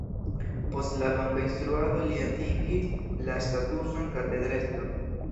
Post la longa instruado li atingis la statuson katedrestro.